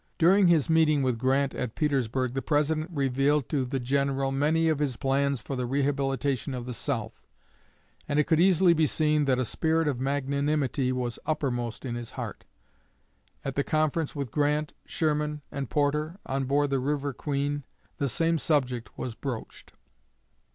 During his meeting with Grant at Petersburg the President revealed to the General many of his plans for the rehabilitation of the South, and it could easily be seen that a spirit of magnanimity was uppermost in his heart. And at the conference with Grant, Sherman, and Porter, on board the "River Queen," the same subject was broached.